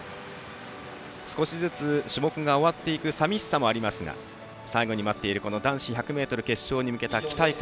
少しずつ種目が終わっていく寂しさもありますが最後に待っている男子１００ｍ決勝に向けた期待感